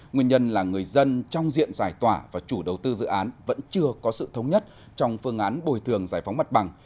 nguyên nhân là người dân trong diện giải tỏa và chủ đầu tư dự án vẫn chưa có sự thống nhất trong phương án bồi thường giải phóng mặt bằng